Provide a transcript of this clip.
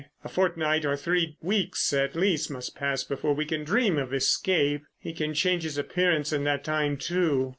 A fortnight or three weeks at least must pass before we can dream of escape. He can change his appearance in that time, too."